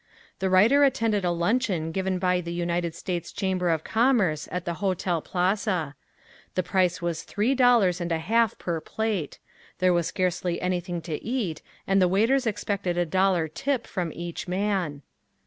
The writer attended a luncheon given by the United States Chamber of Commerce at the Hotel Plaza. The price was three dollars and a half per plate; there was scarcely anything to eat and the waiters expected a dollar tip from each man.